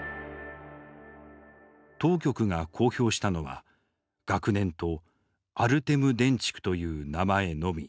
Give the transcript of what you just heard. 当局が公表したのは学年とアルテム・デンチクという名前のみ。